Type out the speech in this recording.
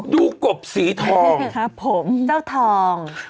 ดูดูกบสีทองครับผมเจ้าทอง